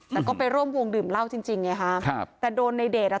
แต่ก็ไปร่วมวงดื่มเหล้าจริงจริงไงฮะครับแต่โดนในเดชอ่ะ